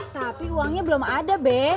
tapi uangnya belum ada be